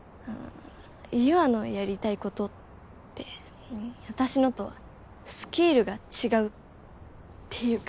優愛のやりたいことって私のとはスケールが違うっていうか。